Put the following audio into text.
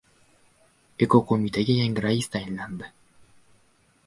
Ekoqo‘mitaga yangi rais tayinlandi